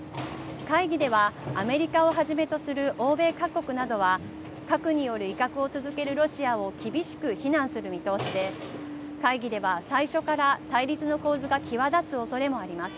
会議ではアメリカをはじめとする欧米各国などは核による威嚇を続けるロシアを厳しく非難する見通しで会議では、最初から対立の構図が際立つおそれもあります。